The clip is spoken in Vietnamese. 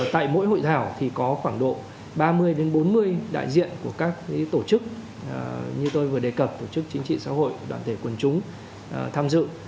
tại mỗi hội thảo thì có khoảng độ ba mươi bốn mươi đại diện của các tổ chức như tôi vừa đề cập tổ chức chính trị xã hội đoàn thể quần chúng tham dự